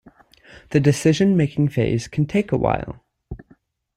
The decision-making phase can take a while.